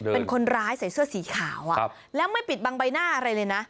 เป็นคนร้ายใส่เสื้อสีขาวแล้วไม่ปิดบังใบหน้าอะไรเลยนะ